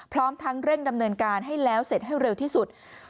พร้อมทั้งเร่งดำเนินการให้แล้วเสร็จให้เร็วที่สุด